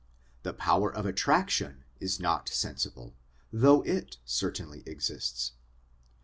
The power of attraction is not sensible, though it certainly exists.